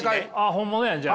本物やじゃあ。